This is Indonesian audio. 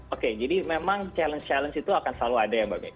oke jadi memang challenge challenge itu akan selalu ada ya mbak bey